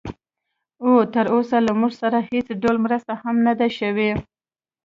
او تراوسه له موږ سره هېڅ ډول مرسته هم نه ده شوې